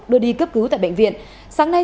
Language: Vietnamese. đưa đi cấp cứu tại bệnh viện sáng nay